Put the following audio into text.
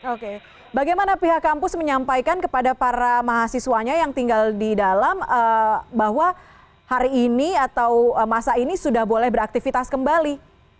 oke bagaimana pihak kampus menyampaikan kepada para mahasiswanya yang tinggal di dalam bahwa hari ini atau masa ini sudah boleh beraktivitas kembali